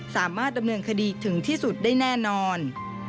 สามารถดำเนินคดีถึงที่สุดได้แน่นอน